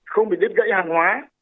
không bị đứt gãy hàng hóa